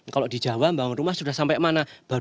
kalau di jawa membangun rumah sudah sampai mana